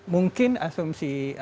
mungkin asumsi ini